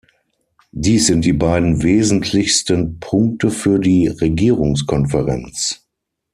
Dies sind die beiden wesentlichsten Punkte für die Regierungskonferenz.